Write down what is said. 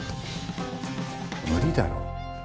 無理だろ。